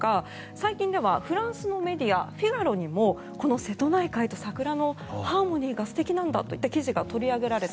最近ではフランスのメディアフィガロにもこの瀬戸内海と桜のハーモニーが素敵なんだといって記事が取り上げられて。